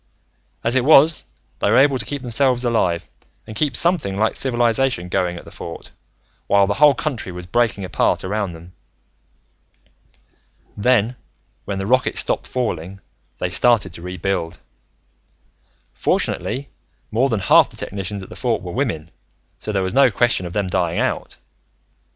"As it was, they were able to keep themselves alive, and keep something like civilization going at the Fort, while the whole country was breaking apart around them. "Then, when the rockets stopped falling, they started to rebuild. Fortunately, more than half the technicians at the Fort were women, so there was no question of them dying out.